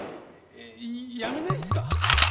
辞めないんすか？